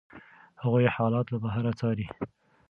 هغوی حالات له بهر څاري.